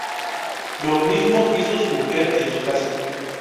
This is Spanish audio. Lo mismo hizo su mujer en su casa.